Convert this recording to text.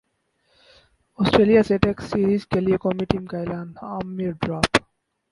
سٹریلیا سے test series کیلئے قومی ٹیم کا اعلان عامر ڈراپ